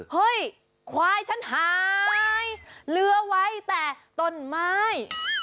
เฮ้ยควายฉันหายเหลือไว้แต่ต้นไม้